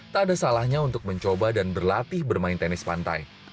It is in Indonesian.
tak ada salahnya untuk mencoba dan berlatih bermain tenis pantai